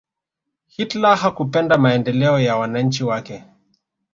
hitler hakupenda maendeleo ya wananchi wake